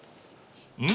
［うん？